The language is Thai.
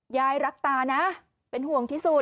ยายรักตานะเป็นห่วงที่สุด